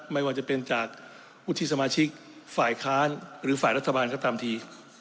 ไม่ว่าจะเป็นจากวุฒิสมาชิกฝ่ายค้านหรือฝ่ายรัฐบาลก็ตามที